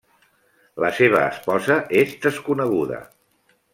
La seva esposa és desconeguda.